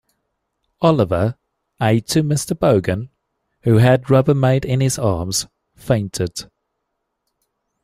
Oliver, aide to Mr. Bogan, who had Rubbermaid in his arms, fainted.